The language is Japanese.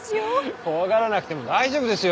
怖がらなくても大丈夫ですよ。